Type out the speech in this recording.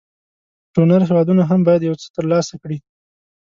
ډونر هېوادونه هم باید یو څه تر لاسه کړي.